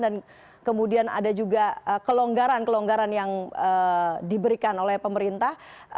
dan kemudian ada juga kelonggaran kelonggaran yang diberikan oleh pemerintah